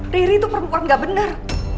riri tuh perempuan gak bener